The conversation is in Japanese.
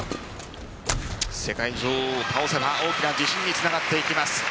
世界女王を倒せば大きな自信につながっていきます。